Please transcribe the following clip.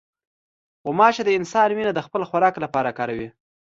غوماشه د انسان وینه د خپل خوراک لپاره کاروي.